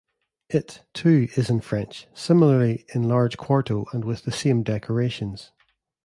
It, too, is in French, similarly in large quarto and with the same decorations.